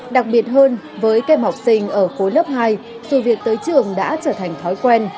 đặc biệt hơn với các em học sinh ở khối lớp hai dù việc tới trường đã trở thành thói quen